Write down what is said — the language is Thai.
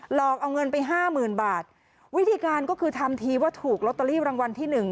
หลอกเอาเงินไปห้าหมื่นบาทวิธีการก็คือทำทีว่าถูกลอตเตอรี่รางวัลที่หนึ่ง